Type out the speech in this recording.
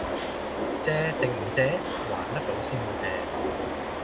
借定唔借？還得到先好借！